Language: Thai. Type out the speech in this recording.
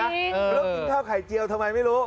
แล้วกินข้าวไข่เจียวทำไมไม่รู้